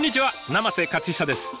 生瀬勝久です。